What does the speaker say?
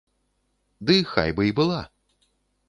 Ды хай бы й была.